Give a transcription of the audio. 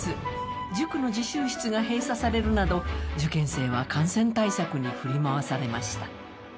塾の自習室が閉鎖されるなど受験生は感染対策に振り回されました。